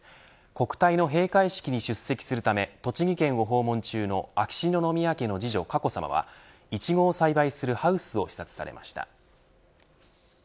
国体の閉会式に出席するため栃木県を訪問中の秋篠宮家の次女佳子さまはイチゴを栽培するハウスを視察されました。